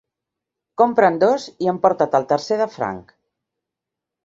Compra'n dos i emporta't el tercer de franc.